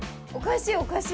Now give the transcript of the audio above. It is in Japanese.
おかしい